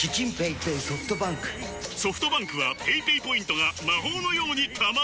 ソフトバンクはペイペイポイントが魔法のように貯まる！